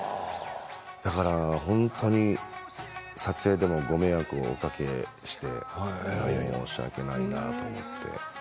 だから撮影でもご迷惑をおかけして大変申し訳ないなと思って。